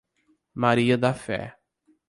Maria da Fé